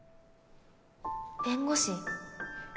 弁護士？